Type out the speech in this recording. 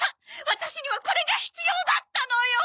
ワタシにはこれが必要だったのよ！